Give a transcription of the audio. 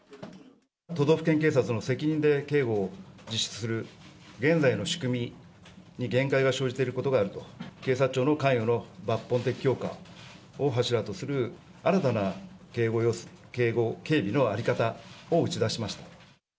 都道府県警察の責任で、警護を実施する現在の仕組みに限界が生じていることがあると、警察庁の関与の抜本的強化を柱とする、新たな警護警備の在り方を打ち出しました。